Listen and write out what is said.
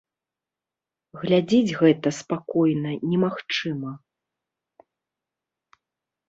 Глядзець гэта спакойна немагчыма.